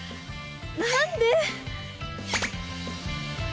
何で！